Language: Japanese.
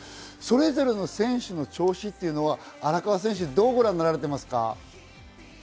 それぞれの選手の調子は荒川選手、どうご覧になられていますか？